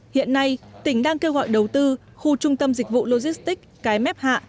hiện nay tỉnh đang kêu gọi đầu tư khu trung tâm dịch vụ logistics cái mép hạ